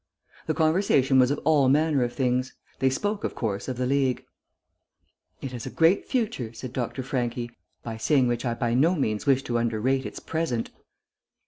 The conversation was of all manner of things. They spoke, of course, of the League. "It has a great future," said Dr. Franchi, "by saying which I by no means wish to underrate its present."